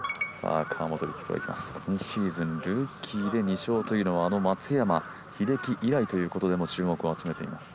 今シーズンルーキーで２勝というのはあの松山英樹以来ということでも注目を集めています